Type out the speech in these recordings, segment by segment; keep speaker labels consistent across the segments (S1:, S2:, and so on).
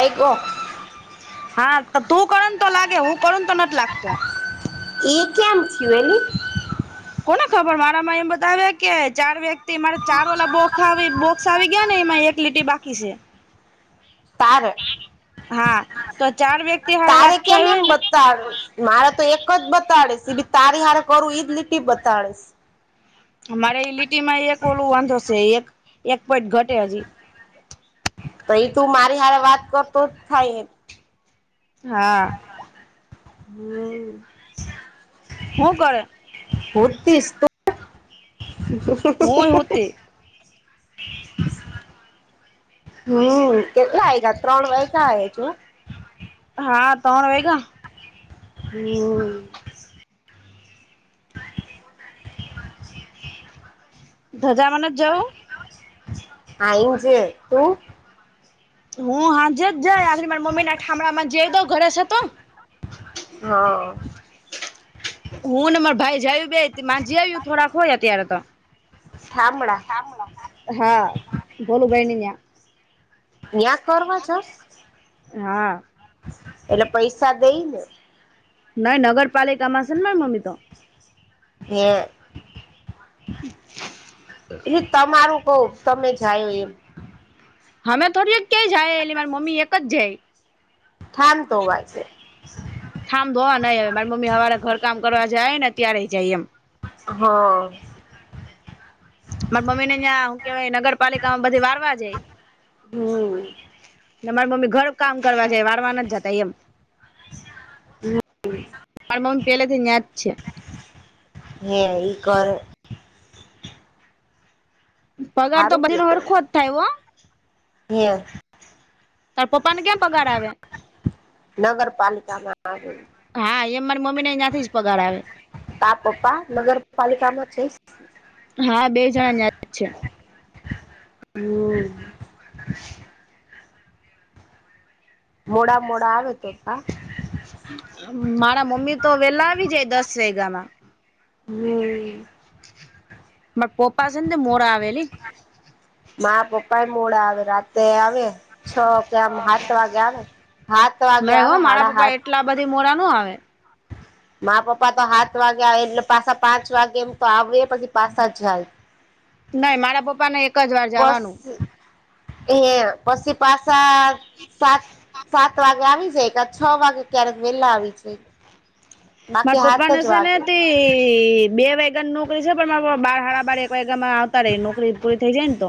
S1: એ
S2: હા તો તું કરન તો લાગે હું કરન તો ન લાગતો
S1: એ કે્યામખ્યું એ
S2: કોને ખબર મારામાં એમ બતાવે કે ચાર વ્યક્તિ મારે ચાર વાલા બોખાવ બો સ આવી ગયા ને એમાં એક લીટીર બાકી છે
S1: તાર
S2: હા તો ચાર વ્યક્તિ હળ વાત
S1: તારે
S2: થય
S1: કેમ
S2: હોય
S1: એમ
S2: ને
S1: મારે તો એક જ બતાડીશ એ ભી તારી હારે કરું ઈજ લીટી બતાડીશ
S2: અમારે એ લીટીમાં એક ઓલું વાંધો છે એક એક પોઈટ ઘટે હજી
S1: તો એ તું મારી હારે વાત કરતો જ થાય
S2: હા
S1: હમ પતીશ
S2: હું કરે
S1: હમ કેટલા
S2: હુંય
S1: આ
S2: હુતી
S1: ગયા ત્રણ વાયગ્યા જો.
S2: હા તણ વાઈગા.
S1: હમ હ [inaudible]
S2: ધજામાં નથ જઉ.
S1: અજ તું [inaudible]
S2: હું હાજે જાય આખળ મારા મમ્મી ના થામણા માજી જઈ દઉ ઘરસ હતો.
S1: હા
S2: હું ને માર ભાઈ જું ભ મામાંજી આવ્યું થોડાક હોય અત્યારે તો.
S1: થામણા
S2: હા ભોલું ભાઈને યાં.
S1: ત્યા કરવા જાસ.
S2: હા.
S1: એટલે પૈસા દઈ ને.
S2: નઇ નગરપાલિકામાં સેને મારી મમ્મી તો.
S1: હે. એ તમારું કઉ તમે જાય એમ.
S2: હમે થોડી એક કય જાય એટલે મારી મમ્મી એક જાય.
S1: થાન તો આજે.
S2: થાં ધોવા નહીં હવે મારી મમ્મી હવારે ઘર કામ કરવા જાય ને ત્યારે જાય એમ.
S1: હા
S2: મારા મમ્મી ને તં હું કેવાય નગરપાલિકામાં બધી વારવા જાય.
S1: હમ
S2: મારી મમ્મી ઘર કામ કરવા છે વારવારન જ જતા એમ. માર મમી પેલેથી યાં છે.
S1: હે ઈ કરો.
S2: પગાર તો
S1: હારું
S2: બધી તમારે ખોટ થાય હો.
S1: એવું.
S2: તાર પપ્પાને કેમ પગાર આવે.
S1: નગરપાલિકામાં આવે
S2: હા એ મારી મમ્મી ને અયાંથી જ પગાર આવે.
S1: તા પપ્પા નગરપાલિકા માં છે.
S2: હા બે જણા ન્યાતિ છે.
S1: હમ્મ.
S2: [inaudible]
S1: મોડા મોડા આવે તો કા.
S2: મારા મમ્મી તો વેલા આવી જાય દસ વેગયા મા.
S1: હમ્મ.
S2: મા પપ્પા છે ને મોરા આવે અલી.
S1: મા પપ્પા એ મોડા આવે રાતે આવે. છ કે આમ હાત વાગે આવે હાત વાગે
S2: નહી હો
S1: આવે
S2: મારા
S1: હાડા
S2: પપ્પા
S1: હાથ.
S2: એટલા બધી મોરા ન આવે.
S1: મા પપ્પા તો હાત વાગે એટલે પાછા પાંચ વાગે એમ તો આવે પછી પાસા જાય
S2: નહી મારા પપ્પા ને એક જ વાર
S1: પસ
S2: જવાનું
S1: એ પછી પાસા સાત સાત વાગે આવી જાય ક છ વાગે ક્યારેક વેલા આવી છે.
S2: માર પપ્પાને છેને તે એ બે વાયગા નોકરી છે પણ બાર હારા બાર એક વાયગા માં આવતા રહી નોકરી પૂરી થઈ જાય ને તો.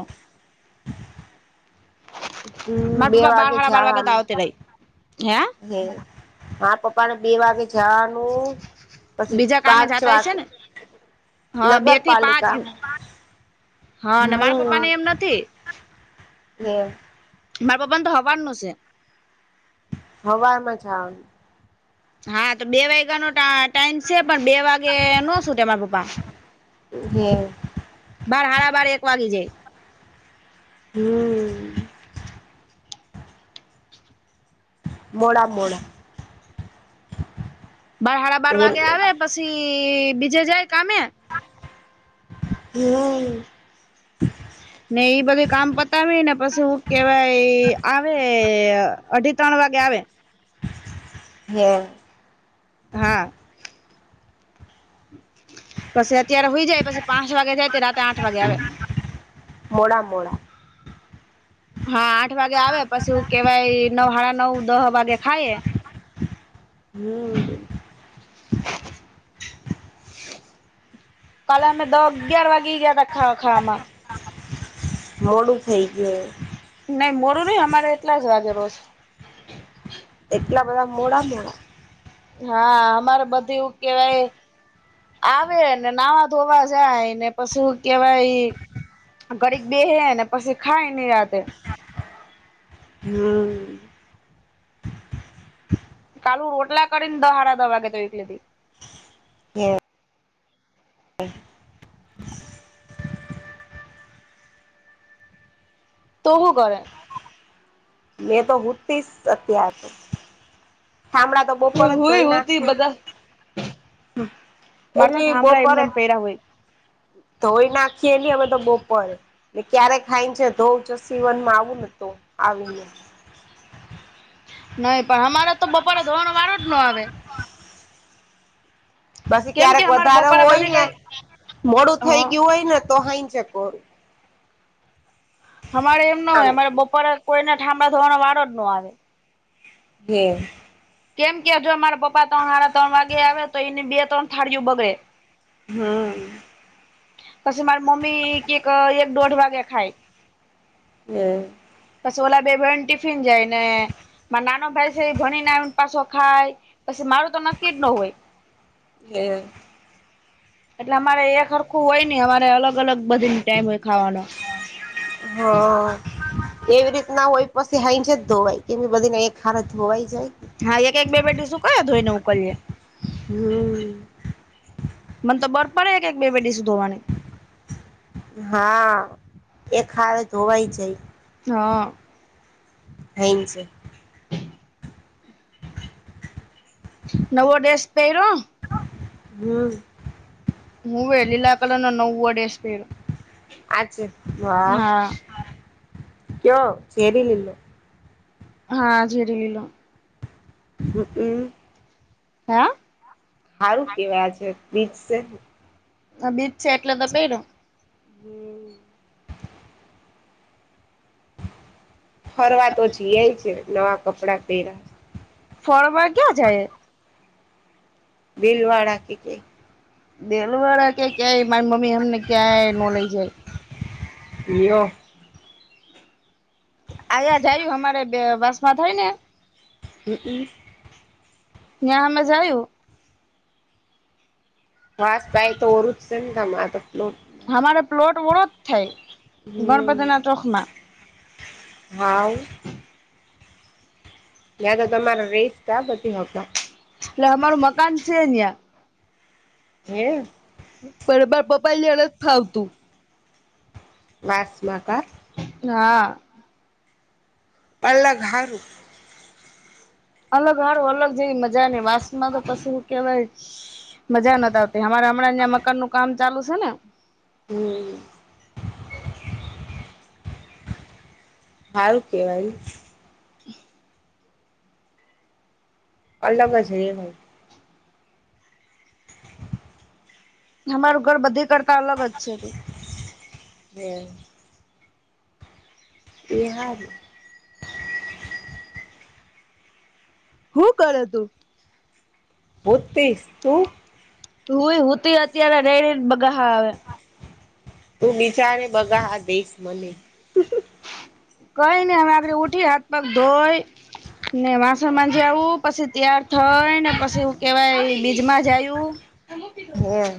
S1: હમ
S2: મારા
S1: બે
S2: પપ્પા બાર
S1: વાગે
S2: હાડા બાર વાગે તો
S1: જાવાનું.
S2: આવતી રહી હે
S1: હ હા પપ્પા ને બે વાગે જાવાનું. પછી
S2: બીજા કામે
S1: પાંચ
S2: જાતા હશે
S1: વાગે.
S2: ને હા બે થી પાંચ
S1: નગરપાલિકા.
S2: હા ને મારા પપ્પા ને એમ નથી.
S1: એવું.
S2: માર પપ્પા ને તો હવારનું સે.
S1: હવારમાં જાવ.
S2: હા તો બે વાગ્યાનો ટા ટાઈમ છે પણ બે વાગે નો શું તમારા પપ્પા.
S1: હે.
S2: બાર હાડા બાર એક વાગી જાય.
S1: હમ્મ. મોડા મોડા.
S2: બાર હાડા બાર વાગે આવે પછી બીજે જાય કામે.
S1: હમ્મ.
S2: ને એઈ બધું કામ પતાવીને પછી હું કેહેવાય આવે. અઢી ત્રણ વાગે આવે.
S1: હા.
S2: હા. પછી અત્યારે હુઇ જાય પછી પાંચ વાગે જાય તે રાતે આઠ વાગે આવે.
S1: મોડા મોડા.
S2: હા આઠ વાગે આવે પછી હું કેવાય નવ હાડા નવ દહ વાગે ખાય.
S1: હમ્મ.
S2: કાલે અમે દહ અગિયાર વાગી ગયા તા ખાવા ખાવા માં.
S1: મોડું થઇ ગયું હે.
S2: નઈ મોરું નહી અમારે એટલા જ વાગે રોજ.
S1: એટલા બધા મોડા કેમ.
S2: હા અમારે બધું એવું કેવાય. આવે ને નાવા ધોવા જાય ને પછી હું કેવાય. ઘડીક બે હને પછી ખાય નીરાતે.
S1: હું.
S2: કાલું રોટલા કરી ને દહ હાડા દહે વાગે ગ‌ઇ થી એટલે.
S1: એ. હ.
S2: તો હું કરે.
S1: મેં તો હુંતીસ અત્યાર હામડા તો. બપોર
S2: હું
S1: જ
S2: હુંય તી બધા. મારે તો
S1: એલી
S2: ઠામડા એમને
S1: બપોરે.
S2: એમ પયરા હોય
S1: ધોઈ નાખીએ ને અમે તો બપોરે. ને ક્યારે સાંજે ધોવ જ સીવનમાં આવું નને તો આવીને.
S2: નહી પણ અમારે તો બપોરે ધોવાનો વારોજ નો આવે.
S1: પછી
S2: કેમ કે
S1: ક્યારેક
S2: અમારે
S1: વધારે
S2: બપોરે
S1: હોય
S2: બધી
S1: ને
S2: કઈ
S1: મોડું
S2: હ
S1: થઈ ગયું હોય ને તો હાઈ જકો.
S2: અમારે એમ ના
S1: આમ
S2: હોય અમારે બપોરે કોઈને થાંભળ થવાનો વારો જ ન આવે.
S1: હમ.
S2: કેમ કે જો મારા પપ્પા ત્રણ સાડા ત્રણ વાગે આવે તો એને બે ત્રણ થાળિયું બગડે.
S1: હમ.
S2: કશે મારી મમ્મી કેક એક દોઢ વાગ્યા ખાય.
S1: હે.
S2: પછી ઓલા બે ભાઈને ટિફિન જાય ને મારો નાનો ભાઈ છે ભણીને પાછો ખાય. પછી મારુ તો નક્કી ના હોય.
S1: એ.
S2: એટલે અમારે એ સરરખું હોય ને અમારે અલગ અલગ બધીની ટાઈમ હોય ખાવાનો.
S1: હમ. [inaudible] હા એવી રીત ના હોય પછી હાઈજે છે જ ધોવાય કેમ બધીને એક હારે ધોવાઈ જાય.
S2: હા એક એક બે બે ડીસું કયે ધોઈ ને ઉકલીએ.
S1: હમ.
S2: મને તો બરપરે એક એક બે ડીસુ ધોવાનું.
S1: હા એક હારે ધોવાઈ જાય.
S2: હા.
S1: હૈજ.
S2: નવો ડ્રેસ પહેરો.
S1: હમ.
S2: હવે એ લીલા કલર નો નવો ડ્રેસ પહેરો.
S1: આ છે વાહ કયો જેેરી લીલો.
S2: હા ઝેરી લીલો.
S1: હમ.
S2: હા.
S1: હારું કેવાય આજે બીજ સે ને.
S2: હા બીજ છે એટલે તો બઇરો.
S1: હમ ફરવા તો જીઆઈ છે. નવા કપડા પેહરા.
S2: ફરવા ક્યાં જાયે.
S1: બિલવાળા કેકે.
S2: દેલવાડા કે ક્યાય મારી મમ્મી અમને ક્યાંય નો લઈ જાય.
S1: યો.
S2: આયા જાયરુ અમારે બે વાસમાં થાય ને.
S1: હમ.
S2: ન્યા આમજ આયુ.
S1: ખાસ કઈ તો ઓરું જ છે ને તમ આતો.
S2: અમારે પ્લોટ વોળો જ થાય ગણપતિના ચોકમાં.
S1: હાહો યા તો તમારા [unintelligible]
S2: એટલે અમારું મકાન સે ન્યા.
S1: હે?
S2: પણ મારા પપ્પાને ન્યા નથ ફાવતું.
S1: વાસમાં કા?
S2: હા
S1: અલગ હારું.
S2: અલગ હારું અલગ જેવી મજા નઈ વાંસમાં તો પસી હું કેવાય મજા નથ આવ એટલે અમારે હમણાં ન્યા મકાનનું કામ ચાલુ સે ને.
S1: હમ હારું કેવાય ઈ. અલગ જ રેવાય.
S2: અમારું ઘર બધે કરતા અલગ જ છે તે.
S1: હે. એ હારું.
S2: હું કરે તું?
S1: હુતીસ તું?
S2: હું એ હુતી અત્યારે રઇ રઈ ને બગાહા આવે.
S1: તું બીજાને બગા આ દઈશ મને.
S2: કઈ નહીં હવે આગળે ઉઠી હાથ પગ ધોઈ. ને વાસણ માંજી આવું, પછી તૈયાર થઈ ને પછી હું કેવાય બીજમાં જાયું.
S1: હે?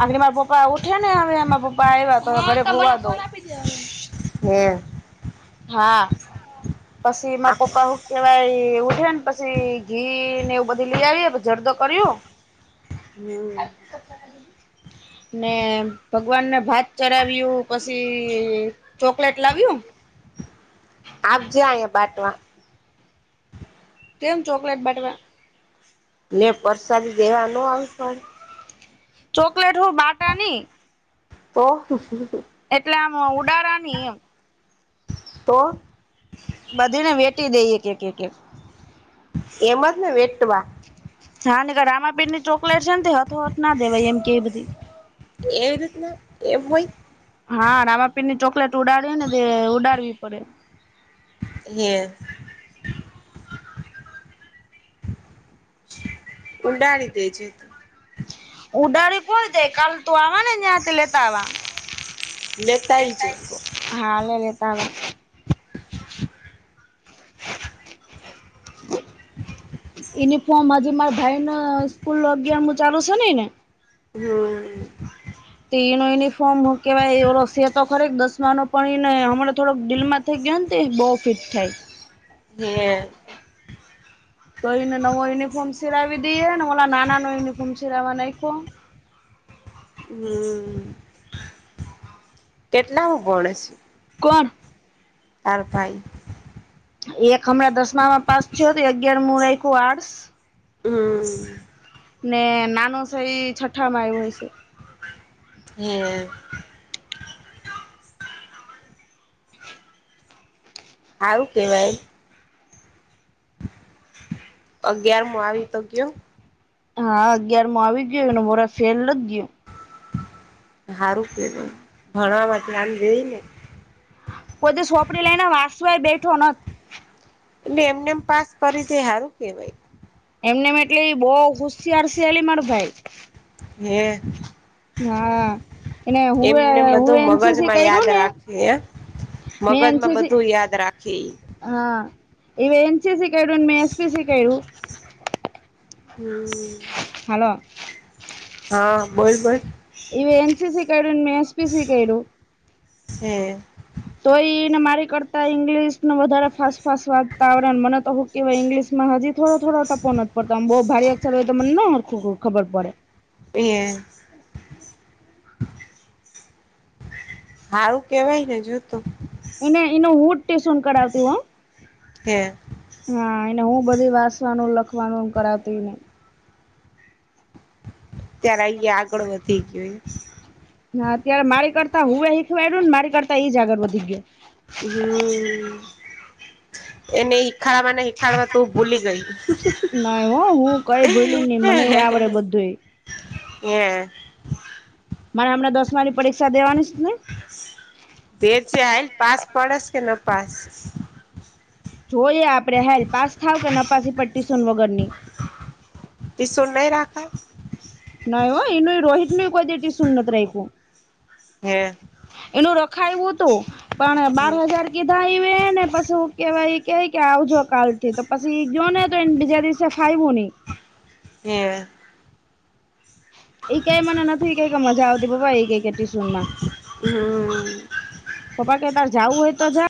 S2: આગડી મારા પપ્પા ઉઠ્યાને હવે માર પપ્પા આવ્યા તો ઘડીક હુવા દયો. [inaudible]
S1: હે?
S2: હા પસી
S1: આ
S2: માર પપ્પા ઉઠ કેવાય ઉઠે ને પછી ઘી ને એવું બધી લઈ આવીએ પછી જરદો કર્યો.
S1: હમ [inaudible]
S2: ને ભગવાનને ભાત ચડાવ્યું પસી ચોકલેટ લાવ્યું.
S1: આપજે આહીંયા બાટવા.
S2: કેમ ચોકલેટ બાટવા?
S1: ને પરસાદી દેવા નો આવી પડે?
S2: ચોકલેટ હું બાટા ની.
S1: તો?
S2: એટલે આમ ઉડારા ની એમ.
S1: તો?
S2: બધીને વેચી દઈએ એક એક એક.
S1: એમજ ને વેટવા.
S2: હા નકર રામાપીરની ચોકલેટ છે ન તે હથોહથ ના દેવાય એમ કે હે બધી.
S1: એવી રીતના એમ હોય.
S2: હા રામાપીર ની ચોકલેટ ઉડાડી ને ઉડાડવી પડે.
S1: [unintelligible] ઉંડાડી દે છે.
S2: ઉડાડી કોણ જાય કાલ તું આવા ને ત્યાંથી લેતા આવા.
S1: લેતાય જે
S2: હા લે લેતા આવા યુનિફોર્મ હજી મારા ભાઈ ન સ્કૂલ અગિયાર હું ચાલુ છે ઈ ને.
S1: હમ્મ. હમ્મ
S2: તે એનો યુનિફોર્મ હું કેવાય ઓરો સે તો ખરે દસમાનો પણ ઈને હમણાં થોડક દિલમાં [unintelligible] બો ફિટ થાય.
S1: [unintelligible]
S2: તો એને નવો યુનિફોર્મ સિલાવી દઈએ ને ઓલ નાના નૉ યુનિફોર્મ સિલાવા નાંયખો.
S1: હમ્મ. કેટલા મુ ભણેસ
S2: કોણ
S1: તાર ભાઈ
S2: એક હમણાં દસમામાં પાસ થયો તો અગિયાર મુું રાયખું આર્ટસ.
S1: હમ્મ.
S2: ને નાનું થઈ છઠ્ઠા મા આયો હશે.
S1: [unintelligible] આવું કેવાય અગિયાર મો આવી તો ગ્યો.
S2: હા અગિયાર મો આવી ગ્યો એનું વરહ ફેલ નથ ગયું.
S1: હારું કે ભણવા ધ્યાન દે ને.
S2: કોઈ દી સોંપડી લઈ ને વાસવાય બેઠો નથ.
S1: એટલે એમને એમ પાસ કરી છે હારું કેવાય.
S2: એમને એટલી બહ હુશિયાર છે અલી માર ભાઈ.
S1: હે
S2: હા એ હું
S1: એમને
S2: હું
S1: બધું
S2: એનસીસી કર્યું ને. મેં
S1: મગજ માં
S2: એનસીસી
S1: બધું યાદ રાખે ઈ.
S2: હા એવે એન. સી. સી. કર્યું મે એસ. પી. સી. કયરુ.
S1: [unintelligible]
S2: હાલો.
S1: હા બોલ બોલ.
S2: એવે એન. સી. સી. કર્યું મે એસ. પી. સી. કયરુ.
S1: હે.
S2: તો એને મારી કરતા ઈંગ્લિશ ને વધારે ફાસ ફાસ વાચતા આવરે મને તો કેવા ઇંગ્લિશમાં હજી થોડો થો ટપો નથ પડતો આમ બઉ ભારે અક્ષર હોય તો મને ન હરખું ખબર પડે.
S1: [unintelligible] હારું કેવાય ને જોતો.
S2: એને એનું હુજ ટેસન કરાવતી હો.
S1: હે.
S2: હા એને હું બધી વાંસવાનું લખવાનું કરાવતી ઇને.
S1: ત્યારે આઈ ગ્યા આગળ વધી ગયો ઈ.
S2: હા અત્યારે મારી કરતા હું એ શીખવાડ્યું ને મારી કરતા ઈ જ આગળ વધી ગ્યો.
S1: હમ્મ એને ઈ ખરા હિખાડવા તું ભૂલી ગય.
S2: નાય હો હું કઈ ભૂલી નહી મને આવડે બધુંય.
S1: [unintelligible]
S2: મારે હમણા દસમા ની પરીક્ષા દેવાનીસ નઈ.
S1: તેર છે હાઈલ પાસ પડેસ કે ન પાસ.
S2: જોઈએ આપડે હાલ પાસ થાવ કે નફાસી પટ્ટી સુન વગરની.
S1: ટીસુન નઈ રાખા.
S2: નાઈ હો એ ન એ રોહિત નું એ કોઈદી એ ટુશન નથ રાયખૂ.
S1: હે અ.
S2: એનું રખાયું હતું પણ બાર
S1: હે
S2: હજાર કીધા ઈવે ને પાછું. કે હવે ઇકે હેે કે આવજો કાલ થી તો પછી ઇગ્યો ને તો એને બીજા દિવસે ફાયવું નહી.
S1: ને અ
S2: ઈ કેે મને નથી કે મજા આવતી પપ્પા એ ઈ કે ટ્યુશનમાં.
S1: હમ
S2: પપ્પા કે તાર જાવું હોય તો જા